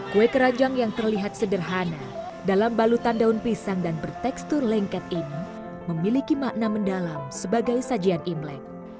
kue keranjang yang terlihat sederhana dalam balutan daun pisang dan bertekstur lengket ini memiliki makna mendalam sebagai sajian imlek